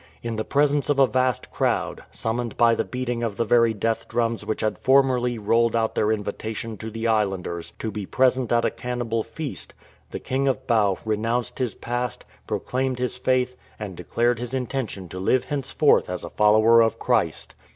In the presence of a vast 319 PRESENTS TO QUEEN VICTORIA crowd, summoned by the beating of the very death drums which had formerly rolled out their invitation to the islanders to be present at a cannibal feast, the king of Bau renounced his past, proclaimed his faith, and declared his intention to live henceforth as a follower of Christ.